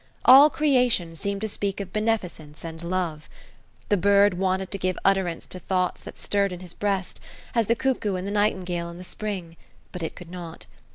All creation seemed to speak of beneficence and love. The bird wanted to give utterance to thoughts that stirred in his breast, as the cuckoo and the nightingale in the spring, but it could not.